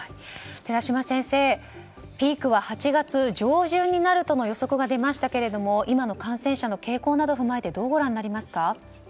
寺嶋先生、ピークは８月上旬になるとの予測が出ましたけれども今の感染者の傾向などを踏まえてどうご覧になりますか？